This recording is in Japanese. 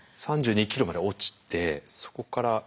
３２ｋｇまで落ちてそこからどう。